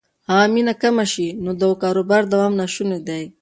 که مینه کمه شي نو د کاروبار دوام ناشونی دی.